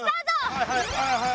はいはいはいはい。